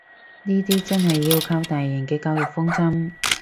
呢啲真係要靠大人嘅教育方針